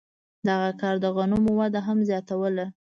دغه کار د غنمو وده هم زیاتوله.